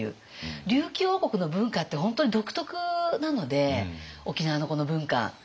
琉球王国の文化って本当に独特なので沖縄のこの文化。